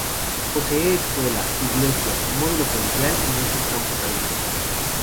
Posee escuela, iglesia, módulo policial y muchos campos agrícolas.